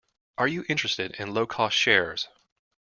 Are you interested in low-cost shares?